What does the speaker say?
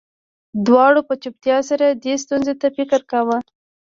دواړو په چوپتیا سره دې ستونزې ته فکر کاوه